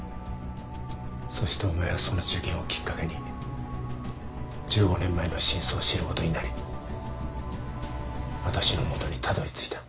そしてお前はその事件をきっかけに１５年前の真相を知ることになり私の元にたどり着いた。